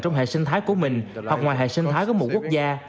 trong hệ sinh thái của mình hoặc ngoài hệ sinh thái của một quốc gia